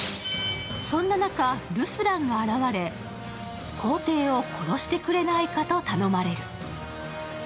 そんな中、ルスランが現れ皇帝を殺してくれないかと頼まれる。